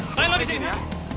main lo di sini ya